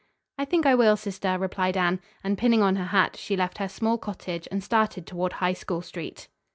"I think I will, sister," replied Anne; and, pinning on her hat, she left her small cottage and started toward High School Street.